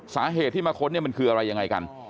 สาเหตุที่มาค้นเนี่ยมันคืออะไรยังไงกัน